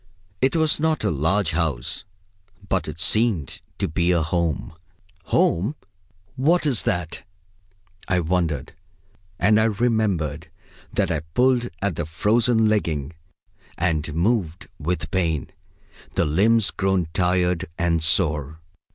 It was not a large house, but it seemed to be a home. Home! what is that? I wondered; and I remember that I pulled at the frozen legging, and moved, with pain, the limbs grown tired and sore.